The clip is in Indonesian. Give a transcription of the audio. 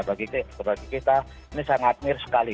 bagi kita ini sangat mir sekali